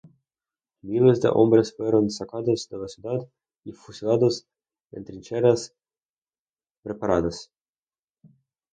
Miles de hombres fueron sacados de la ciudad y fusilados en trincheras preparadas.